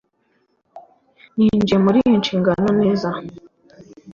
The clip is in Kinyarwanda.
Ninjiye muriyi nshingano neza